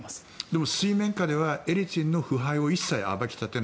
でも水面下ではエリツィンの腐敗を一切暴き立てない。